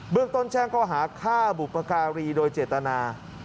เมืองต้นแช่งเข้าหาฆ่าบุปกรีโดยเจตนา